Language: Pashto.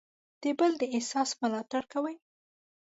د بل د احساس ملاتړ کوو.